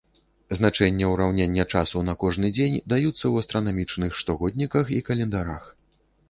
Значэнні ўраўнення часу на кожны дзень даюцца ў астранамічных штогодніках і календарах.